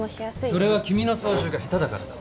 それは君の操縦が下手だからだ。